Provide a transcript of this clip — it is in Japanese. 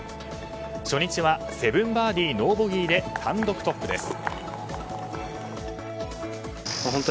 初日は７バーディーノーボギーで単独トップです。